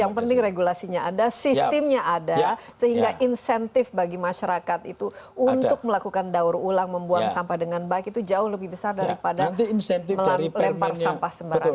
yang penting regulasinya ada sistemnya ada sehingga insentif bagi masyarakat itu untuk melakukan daur ulang membuang sampah dengan baik itu jauh lebih besar daripada melempar sampah sembarangan